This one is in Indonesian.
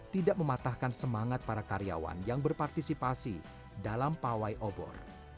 tidak mematahkan semangat para karyawan yang berpartisipasi dalam pawai obor